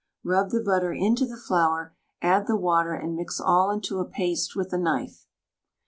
Rub the butter into the flour, add the water, and mix all into a paste with a knife.